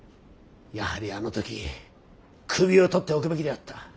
やはりあの時首を取っておくべきであった。